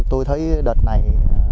tôi thấy đợt này